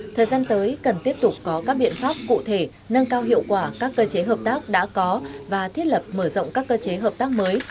thời gian tới cần tiếp tục có các biện pháp cụ thể nâng cao hiệu quả các cơ chế hợp tác đã có và thiết lập mở rộng các cơ chế hợp tác mới